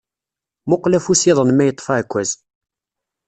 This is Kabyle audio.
Muqel afus-iḍen ma yeṭṭef aɛekkaz.